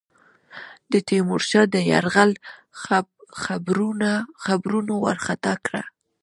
د تیمورشاه د یرغل خبرونو وارخطا کړه.